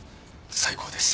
最高です。